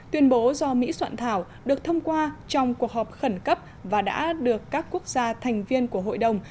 tuyên bố do mỹ soạn thảo được thông qua trong cuộc họp khẩn cấp và đã được các quốc gia thành viên của hội đồng